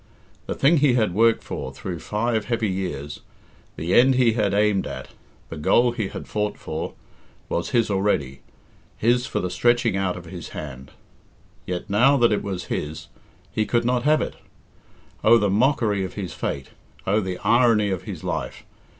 The thing he had worked for through five heavy years, the end he had aimed at, the goal he had fought for, was his already his for the stretching out of his hand. Yet now that it was his, he could not have it. Oh, the mockery of his fate! Oh, the irony of his life!